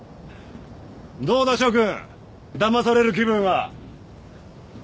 どうだ諸君だまされる気分は。